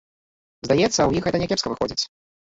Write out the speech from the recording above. Здаецца, у іх гэта някепска выходзіць.